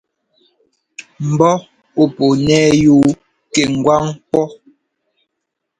Mbɔ́ ɔ́ pɔɔ nɛ́ yú kɛ ŋgwáŋ pɔ́.